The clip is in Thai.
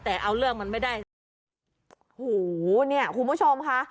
แต่เอาเรื่องมันไม่ได้สิโอ้โหเนี่ยคุณผู้ชมค่ะ